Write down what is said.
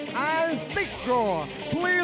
สวัสดิ์นุ่มสตึกชัยโลธสวิทธิ์